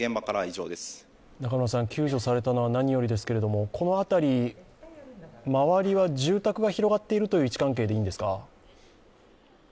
救助されたのは何よりですけれども、このあたり、周りは住宅が広がっているという位置関係でいいんですか？